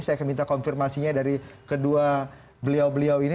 saya akan minta konfirmasinya dari kedua beliau beliau ini